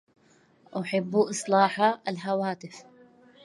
أحبُ إصلاحَ الهواتف.